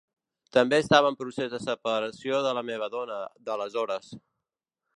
També estava en procés de separació de la meva dona d’aleshores.